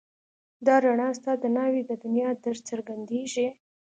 دا رڼا ستا د ناوې د دنيا درڅرګنديږي